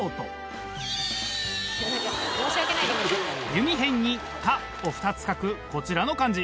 弓偏に「可」を２つ書くこちらの漢字。